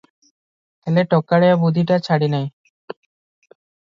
ହେଲେ ଟୋକାଳିଆ ବୁଦ୍ଧିଟା ଛାଡ଼ି ନାହିଁ ।